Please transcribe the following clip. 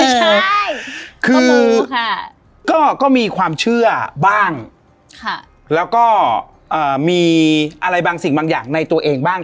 ใช่คือก็มีความเชื่อบ้างแล้วก็มีอะไรบางสิ่งบางอย่างในตัวเองบ้าง